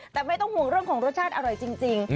แต่ไม่ต้องห่วงเรื่องของรสชาติอร่อยจริง